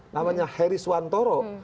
namanya heri swantoro